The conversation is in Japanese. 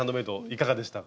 いかがでしたか？